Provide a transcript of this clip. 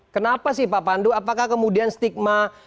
kenapa sih pak pandu apakah kemudian stigma